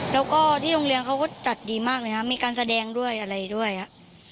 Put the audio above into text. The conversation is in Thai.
แล้วก็ที่โรงเรียนเขาก็จัดดีมากเลยครับมีการแสดงด้วยอะไรด้วยครับ